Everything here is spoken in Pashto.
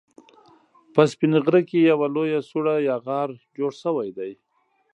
په سپين غره کې يوه لويه سوړه يا غار جوړ شوی دی